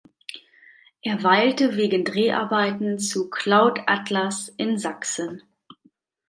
Er weilte wegen Dreharbeiten zu "Cloud Atlas" in Sachsen.